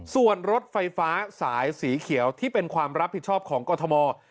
ส่วนรถไฟฟ้าสายสีเขียวที่เป็นความรับผิดชอบของกรทม